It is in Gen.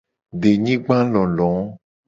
Denyigbalolo.